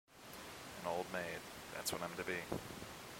An old maid, that's what I'm to be.